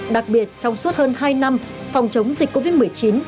đặc biệt trong suốt hơn hai năm phòng chống dịch covid một mươi chín